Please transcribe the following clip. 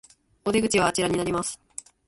お出口はあちらになります